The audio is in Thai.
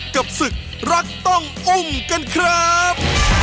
กับศึกรักต้องอุ้มกันครับ